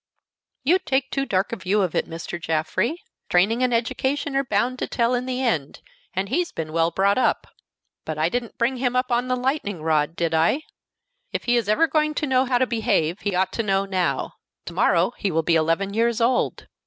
"You take too dark a view of it, Mr. Jaffrey. Training and education are bound to tell in the end, and he has been well brought up." "But I didn't bring him up on a lightning rod, did I? If he is ever going to know how to behave, he ought to know now. To morrow he will be eleven years old."